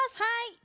はい。